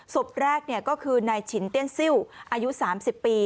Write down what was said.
ศพแรกก็คือนายฉินเตี้ยนซิลอายุ๓๐ปี